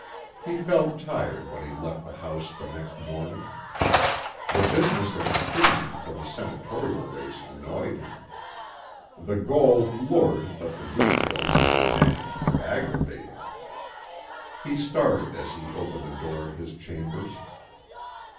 He felt tired when he left the house the next morning. The business of preening for the senatorial race annoyed him. The goal lured but the details to be managed were aggravating. He started as he opened the door of his chambers.